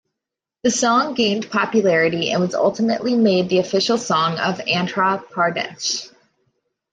The song gained popularity and was ultimately made the official song of Andhra Pradesh.